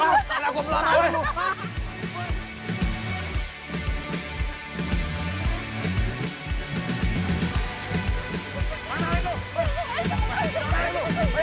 woy jangan lari lu